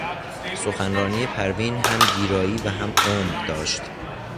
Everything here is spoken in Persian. سخنرانی پروین هم گیرایی و هم عمق داشت.